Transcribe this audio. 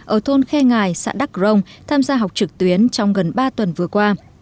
ở thôn khe ngài xã đắk rông tham gia học trực tuyến trong gần ba tuần vừa qua